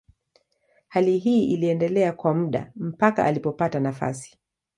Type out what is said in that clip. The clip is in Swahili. Hali hii iliendelea kwa muda mpaka alipopata nafasi.